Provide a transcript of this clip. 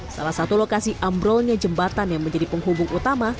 salah satu lokasi ambrolnya jembatan yang menjadi penghubung utama